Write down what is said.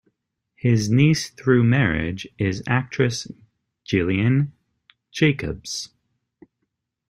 His niece through marriage is actress Gillian Jacobs.